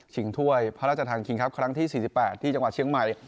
ถ้วยพระราชทานคิงครับครั้งที่๔๘ที่จังหวัดเชียงใหม่